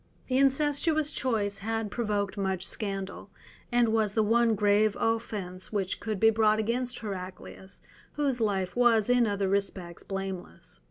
The incestuous choice had provoked much scandal, and was the one grave offence which could be brought against Heraclius, whose life was in other respects blameless.